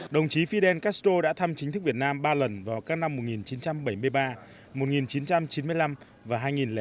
đồng chí fidel castro đã thăm chính thức việt nam ba lần vào các năm một nghìn chín trăm bảy mươi ba một nghìn chín trăm chín mươi năm và hai nghìn chín